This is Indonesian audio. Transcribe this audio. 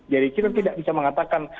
jadi kita tidak bisa mengatakan